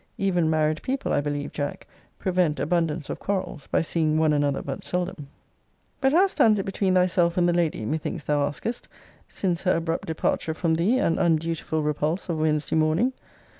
Even married people, I believe, Jack, prevent abundance of quarrels, by seeing one another but seldom. But how stands it between thyself and the lady, methinks thou askest, since her abrupt departure from thee, and undutiful repulse of Wednesday morning?